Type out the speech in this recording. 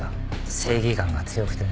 正義感が強くてね